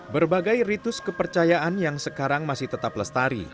berbagai ritus kepercayaan yang sekarang masih tetap lestari